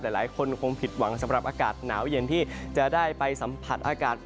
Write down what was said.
หลายคนคงผิดหวังสำหรับอากาศหนาวเย็นที่จะได้ไปสัมผัสอากาศ